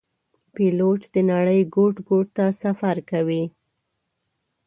پیلوټ د نړۍ ګوټ ګوټ ته سفر کوي.